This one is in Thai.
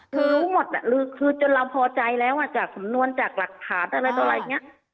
คือรู้หมดคือจนเราพอใจแล้วจากสำนวนจากหลักฐานอะไรต่ออะไรอย่างนี้